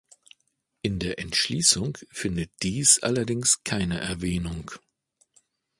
In der Entschließung findet dies allerdings keine Erwähnung.